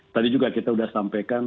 tadi juga kita sudah sampaikan